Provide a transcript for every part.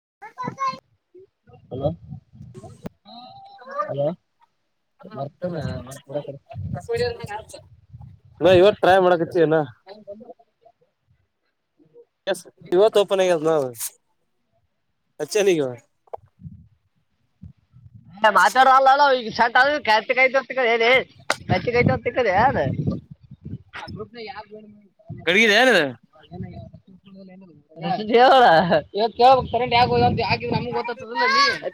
[unintelligible] Hello hello ಬರ್ತಣ [unintelligible] ನ ಇವತ್ತ try ಮಾಡಕತ್ತಿ ಇನ ಎಸ್ ಇವತ್ತ ಓಪನ್ ಆಗ್ಯದ ನ ಹಚ್ಚೆಣಿಗ ಆವಾ ಮಾತಾಡಲ್ಲ ಅಲ್ಲ ಆಳ ಆವಾ ಈಗ [unintelligible] ಅದ ಆ ಗ್ರೂಪ್ ನ್ಯಾಗ ಯಾರ ಜಾಯಿನ್ ಮಾಡಿದ್ದ ಕಳಿದ ಏನ [unintelligible] ಇವತ್ತ ಕೇಳ್ಬಕ ಕರೆಂಟ್ ಯಾಕ ಹೊದು ಅಂತ ಯಾ ನಮಗ ಗೊತ್ತ ಆತದ ಅಲ್ಲಿ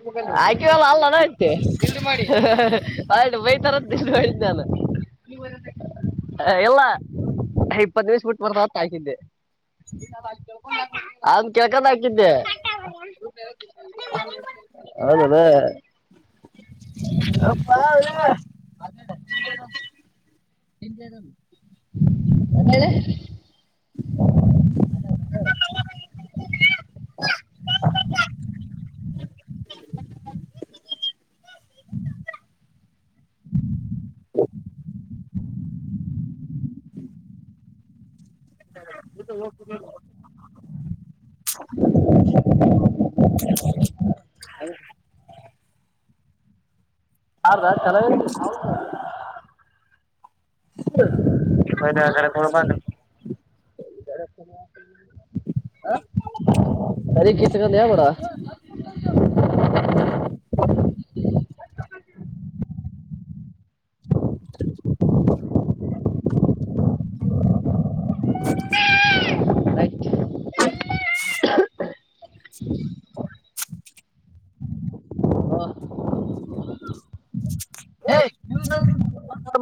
[unintelligible] [unintelligible] ಆಕಲ್ಲ ಅಲ್ಲ ನ ಅಕಿ ಇಲ್ ಮಾಡ [unintelligible] ಬೈತರ ಅತ್ತ ನಿನ್ನ ಹೇಳಿದ್ದ ಆಲ ಇಲ್ಲಾ. ಇಪ್ಪತ್ತ ದಿವಸ್ ಬಿಟ್ಟ ಬರ್ತವ ಅತ್ತ ಹಾಕಿದ್ದೆ. ಅದ್ನ ಕೇಳ್ಕೊಂಡ ಹಾಕಿದ್ದೆ. ಹೋದೆನ. [unintelligible] ಮಾತಾಡ [unintelligible] [inaudible] [unintelligible] [unintelligible] ಹ್ರ ಚೆನಾಗೇತಿ. [unintelligible] ಅ ಅರೆ ಗತ್ತಗ ಏನ್ ಮಾಡ [inaudible] [inaudible] [inaudible]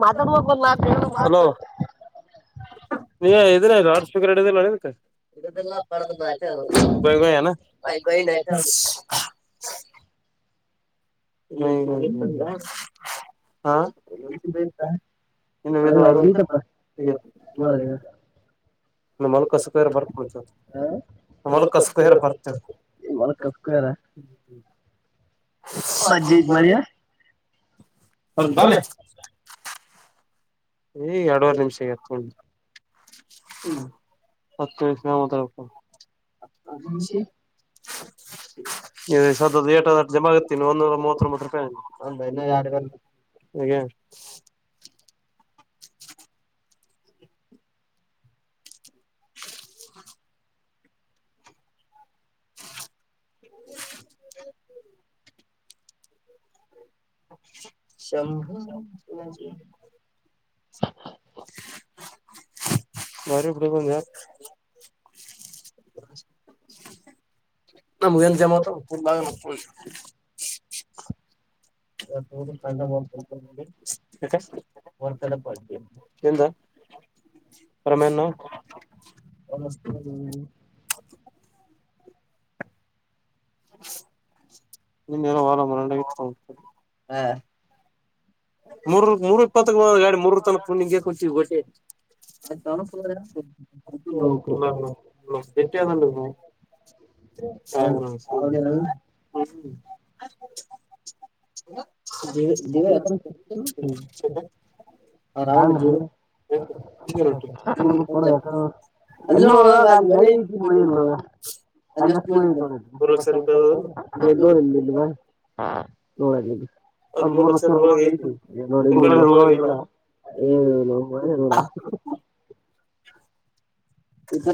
ಮಾತಡಬೇಕಲ್ಲ ಏನಾರ ನಕ ಮಾತ ನೀ ಇದನ ಲೌಡ್ ಸ್ಪೀಕರ್ ಇಟ್ಟಡಿ ಇಲ ಇದಕ [unintelligible] ಹಾ [unintelligible] [unintelligible] ನಮ್ಮ ಹೊಲಕ್ಕ ಕಸಕ್ಕ ಹೋಗ್ಯಾರ ಬರ್ಕೊತ ನಮ್ಮ ಹೊಲಕ್ಕ ಕಸಕ್ಕ ಬರ್ತೇವ [unintelligible] [unintelligible] ಹೌದು ತಾನೆ. ಏ ಎರಡುವರೆ ನಿಮಿಷ ಏತ್ಕೊಂಡ ಹ್ಮ್ ಮತ್ತೆ ಸ್ಲೋ ಮಾತಾಡಬೇಕ ನೋಡ. ಈ ಸದ್ದ ರೇಟ್ ಜಮಾ ಆಗೆತ್ತೀ ಒಂದನೂರಾ ಮೂವತ್ತ ಒಂಬತ್ತ ರೂಪಾಯಿ. [unintelligible] [unintelligible] [inaudible] [inaudible] [inaudible] [unintelligible] ಶಂಭು ಯಾರಿಗೆ ಬಿಡುನೂ ಹೇಳ್ - ನಮಗೆಲ್ಲಿ ಜಮಾ ಆಗ್ತವ. [unintelligible] [inaudible] [inaudible] [inaudible] ನಿನ್ನೆ ಏನೋ [inaudible] ಹ - ಮೂರ ಮೂರು ಇಪ್ಪತ್ಕ್ಕ ಬಂದೇತಿ ಗಾಡಿ ಮೂರ ತನಕ ಪುಲ ಹಿಂಗೆ ಕುಂತೇವ್ ಗೋಟೆ - [inaudible] ಹ್ಮ [inaudible] [inaudible] ದೀ ದಿವ್ಯಾ ಏನೂ [unintelligible] ಅಲ್ಲೋ ಅಲ್ಲಿ ಮಳೆ ಐತಿ ಮಳೆ ಅವಾಗ [inaudible] [inaudible] ಎನ್ ನೋಡಿ [inaudible] [inaudible]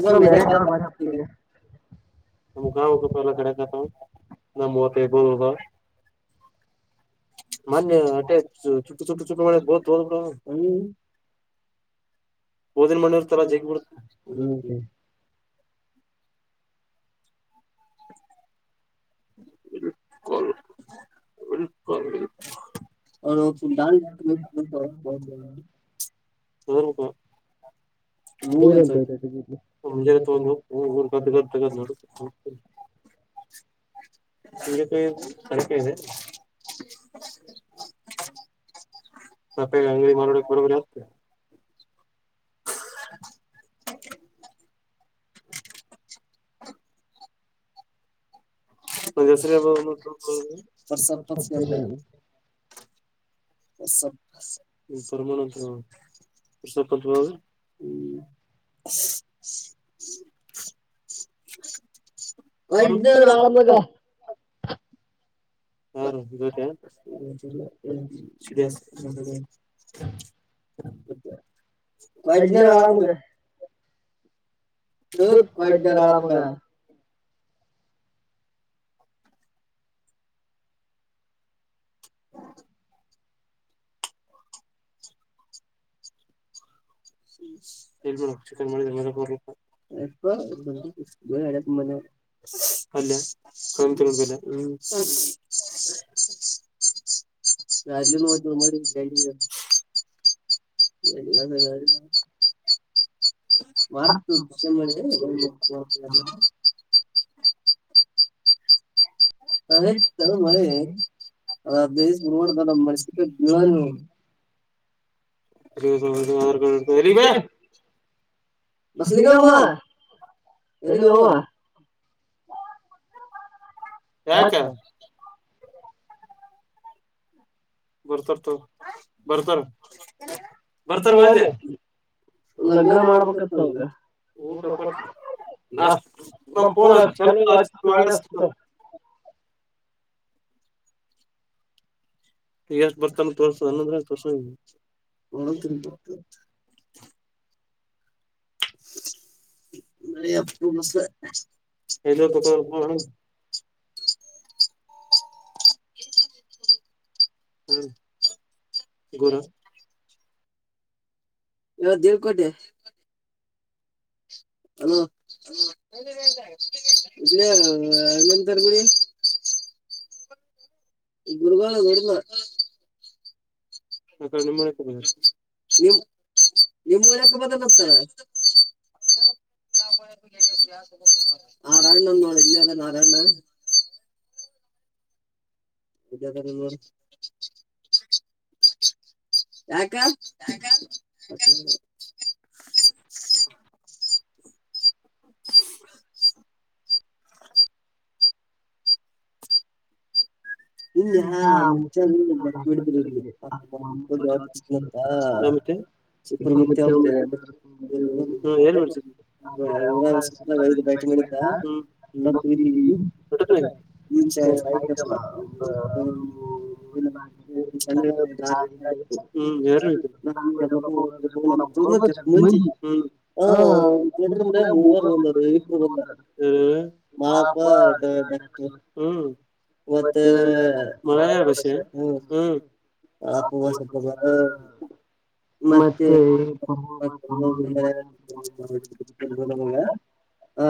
ಎಲ್ಲಾ ಮೇರೆಟ್ ಆದ. [inaudible] ನಮ್ಮ [unintelligible] ಪಲ್ಲೆ ಕಡೆಕತ್ತಾವೂ ಮಾಡಿದ ಇನ್ನ ಮೂವತ್ತೈದು ಮಂದಿ ಉಳದಾವು ಮೊನ್ನೆ ಅಷ್ಟ ಚುಟು ಚುಟು ಚುಟು ಮಾಡಿ ಬೋಧ ತುಳದ ಬಿದ್ದಾವು. ಓದಿನ ಮಣ್ಣ ಇರತ್ತ ಆಲಾ ಜಗ್ಗಿ ಬಿಡುತ್ತ. [inaudible] ಕಲ್ ಬಲ್ಕುಲ್ [inaudible] [inaudible] ಹೋಗಿರಬೇಕ ಅವ [inaudible] [inaudible] [unintelligible] ಕರಿಕೆ ಇದೆ. ಮತ್ತೆ ಅಂಗಡಿಗೆ ಮಾಲ್ ಹೊಡಿಯಾಕ್ ಬರ್ಬೇಕ ಆಯ್ತ್. ಅದ ಹೆಸರ [inaudible] ಪರಮಾನಂದ ಅಂತ ಹೇಳಿ [inaudible] [inaudible] ಒಯ್ಯೆ ಮುಂದೆ ಹೋಗೋ [inaudible] [inaudible] [inaudible] ಹಾಳ ಮುಂದೆ [inaudible] ಮಗ [inaudible] ಏನ್ರ ಹೆಚ್ಚು ಕಡಿಮೆ ಮಾಡಿದ್ರ ಮನೆಗ ಹೋಗ್ಬೇಕ [inaudible] ಅಲ್ಲೇ [inaudible] [inaudible] ಎ [unintelligible] ಮಾರತು [unintelligible] [unintelligible] ಅದ [unintelligible] [unintelligible] ಹೆಗಮ್ಮ ಹೆಲ್ಲಿಗ ಹತ ಬರ್ತಾರತ ಬರ್ತಾರ ಬರ್ತಾರ ಬಾ ಅಂದೆ ಲಗ್ನ ಮಾಡ್ಬೇಕಾಗತ ನಾಷ್ಟ ಪೋನ್ ಚಲ [inaudible] ಎಷ್ಟು ಬರ್ತಾನ ತೋರ್ಸ ಅನ್ನಂದ್ರೆ ತೋರ್ಸ ಹಳ ತರುಪತ [inaudible] [unintelligible] [inaudible] ಹ್ಮ್ ಗುರ ಇವ ದೇವಕೋಟ್ಟೆ ಹಲೋ ಇ ಅನಮಂತರ್ ಗುಡಿ ಈ ಗುಡುಗ ಗುಡಗ ಆ ನಿ [unintelligible] ಈ ಮೂಲಕ್ಕೆ ಬತಾಗತ ನಾರಾಯಣ್ಣ ನೋಡಿ ಇಲ್ಲಿ ಅದ ನಾರಾಯಣ [unintelligible] ಯಾಕ [unintelligible] [inaudible] [inaudible] ಮು ನ ಮಾಮ್ಮ ಪಲ್ಲಿ ಇಬ್ಬರು ಮುವಊ ಎಲ್ಲ ಸುತ್ತ [unintelligible] ಬೀಚ ಸಾಯಕಲ ಅಂತ [unintelligible] ಎಲ್ಲೂಡ ಮಂಜಿ ಹ ಕಡರ್ಂದ ಮೂವರುದ ಇಂದ ಹ್ಮ ಮಾರಾಪ ಹ್ಮ ಮತ್ತೆ ಮರ ಬಷ ಹ ಹ್ಮ್ ಆಪ್ಪುವಸಪ ಮತ್ತೆ [unintelligible] ಆ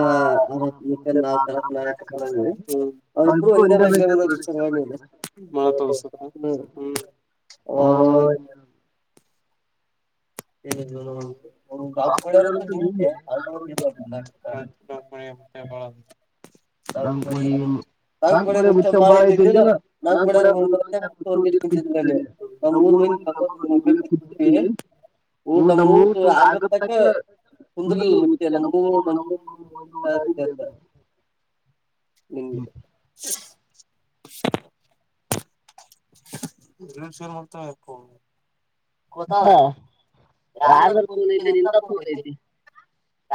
ಅವಬ್ರು ಒಂದೇ ಬ್ಯಾಚ್ ಹ [unintelligible] ಹಳ [unintelligible] ನಾಕಕ್ ಕಡೆ ಮುಚ್ಚ ಬಾಳ ಐತಿಂದಿಲ್ಲ ನಾಕ್ ಬಡೆ ಮು ಒಂದಿ ಇ ಕುಂತಿದ್ ಮೂರ್ ಮ ಮ್ಮಟ್ಟವಿ ಊಟ ಮೂಊಟ ಆಗುತ್ತಕ್ಕೆ ಸುಂದರಿ ಮತ್ಯ ನ ಮೂೂರು ನರು ಒಂದು ಊಟ ಆ ನಿಮ [unintelligible] ಹಾ ಯಾರ್ದಾರ ಫೋನ್ ಐತಿ ನಿಮ ಫೋನ್ ಐತಿ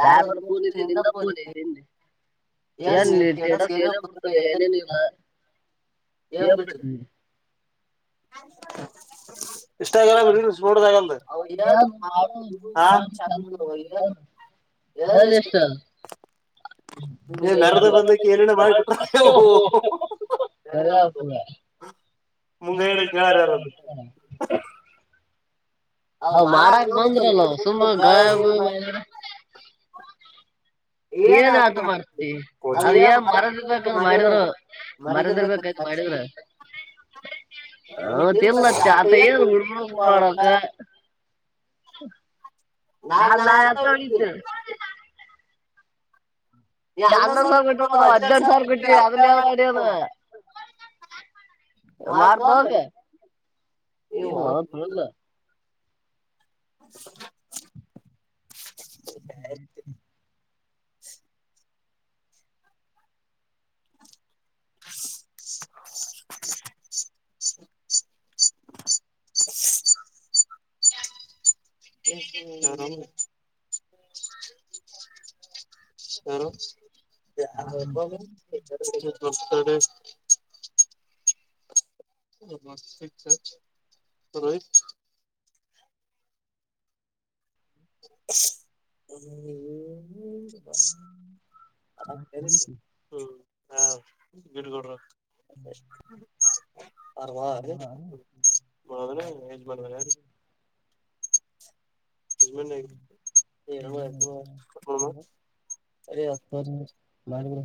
ಯಾರವಾರ ಪೂನ್ ಐತಿ ನಿಂದ ಪೂನ್ ಐತೆನ್ರಿ ಏನ್ ಟೆಡಸ್ ಏನೇ ಬಿಡ್ತಾರ ಏನೇನು ಇಲ್ಲ. ಏನ್ ಬಿಟ್ರಿ. ಇಷ್ಟ ಆಗಿಲ್ಲ ಬಿಡ್ ನೋಡ್ದಗಂದ [unintelligible] ಹ. [unintelligible] ಎಲ್ಲಾಲ್ ಎಷ್ಟು. ನಿ ನಾರದ ಬಂದಕಿ ಏನ್ ಏನ ಮಾಡ್ಬಿಟ್ರ ಹೊ ಹೊ ಹ್ಹೋ. ಕೇಳಾರ್ [unintelligible] ಹೌ ಮಾಡಾಕ್ ಬಂದ್ರಲ್ಲ ಸುಮ್ಮ ಗಾಯಬ ಮಾಡಿರೆ. ಏನ್ ಆತ ಮಾಡ್ತಿ ಅದ್ ಏನ್ ಮರದಿರ್ಬೇಕ ಮಾಡಿದ್ರು ಮರದಿರ್ಬೇಕ. ಮಾಡಿದ್ರ ಹ ತಿರ್ಲ್ಲತ್ತ ಅತ್ತ ಏನು ಹಡು ಹವಾಡಕ್ಕ. ನಾದ್ ನಾ ಯತವ್ಲಿದ್ದೆ. ನಾ ಹನ್ನೊಂದ್ ಸಾವಿ ಕೊಟ್ಟ್ರ ಅದ ಹದ್ನೆರಡ್ ಸಾವಿರ ಕಟ್ಟಿವಿ ಅದನ್ನ ಯಾವ ಮಾಡ ಯಾದ. ಮಾರ್ಕೊಹೋಗೆ [unintelligible] [unintelligible] ಹ್ಮ್ [unintelligible] [unintelligible] ಹ್ಮ್ [unintelligible] [unintelligible] ರೋಹಿತ್. ಹ್ಮ ಹ ಕೆಲ್ಸ ಹ ಬಿಡ್ ಕೊಡ್ರ. ಹ್ಮ್ ಅರ್ವರೆ ಮಗ್ನೆ [unintelligible] [unintelligible] ಸರಿ ಹತ್ಪೋಸ್ಟ್ ಮಾಡಿರೆ.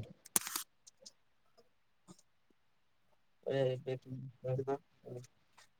ಹ್ಮ್ ಹ್ಮ್ ಹ್ಮ್